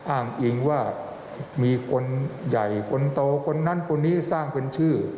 อ้างอิงว่ามีคนใหญ่คนโตคนนั้นคนนี้สร้างเป็นชื่อ